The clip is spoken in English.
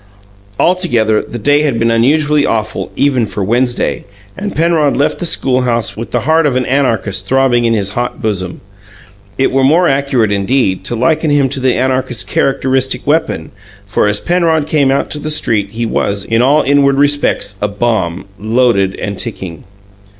Altogether, the day had been unusually awful, even for Wednesday, and Penrod left the school house with the heart of an anarchist throbbing in his hot bosom. It were more accurate, indeed, to liken him to the anarchist's characteristic weapon; for as Penrod came out to the street he was, in all inward respects, a bomb, loaded and ticking.